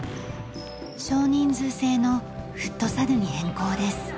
少人数制のフットサルに変更です。